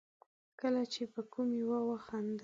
کله چې به کوم يوه وخندل.